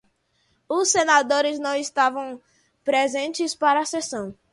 Os senadores não estavam presentes para a sessão.